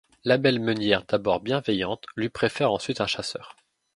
La belle meunière d'abord bienveillante lui préfère ensuite un chasseur.